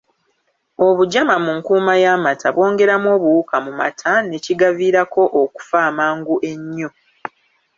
Obujama mu nkuuma y’amata bwongeramu obuwuka mu mata ne kigaviirako okufa amangu ennyo.